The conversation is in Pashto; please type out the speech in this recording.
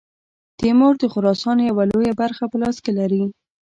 تیمور د خراسان یوه لویه برخه په لاس کې لري.